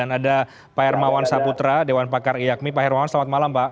dan ada pak hermawan saputra dewan pakar iyakmi pak hermawan selamat malam pak